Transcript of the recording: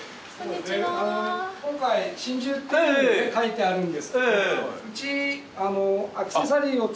真珠って書いてあるんですけどうち。